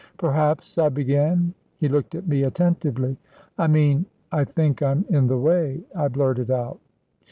"Perhaps, ..." I began. He looked at me attentively. "I mean, I think I'm in the way," I blurted out.